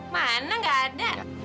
mana nggak ada